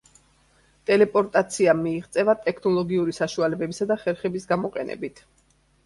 ტელეპორტაცია მიიღწევა ტექნოლოგიური საშუალებებისა და ხერხების გამოყენებით.